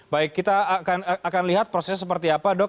baik kita akan lihat prosesnya seperti apa dok